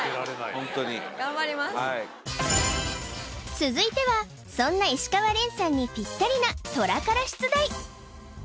続いてはそんな石川恋さんにぴったりなトラから出題